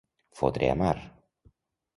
Fotre a mar.